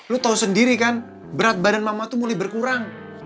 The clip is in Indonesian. lu tahu sendiri kan berat badan mama tuh mulai berkurang